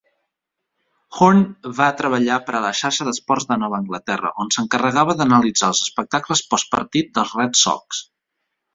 Horn va treballar per a la Xarxa d'Esports de Nova Anglaterra, on s'encarregava d'analitzar els espectacles postpartit dels Red Sox.